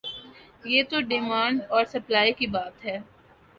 یہ تو ڈیمانڈ اور سپلائی کی بات ہے۔